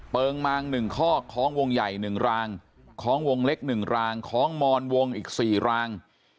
เปิงมาง๑ข้อกของวงใหญ่๑รางของวงเล็ก๑รางของมอนวงอีก๔ราง